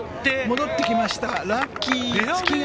戻ってきました、ラッキー！